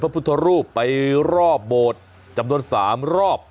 พุทธรูปไปรอบโบสถ์จำนวน๓รอบ